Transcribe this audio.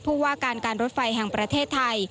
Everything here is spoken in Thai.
ผู้ว่าการการรถไฟแห่งประเทศไทย